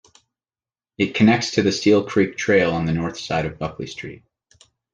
It connects to the Steele Creek Trail on the north side of Buckley Street.